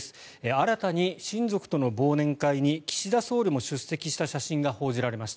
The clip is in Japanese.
新たに親族との忘年会に岸田総理も出席した写真が報じられました。